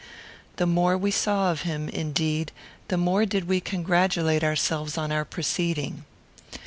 The more we saw of him, indeed, the more did we congratulate ourselves on our proceeding.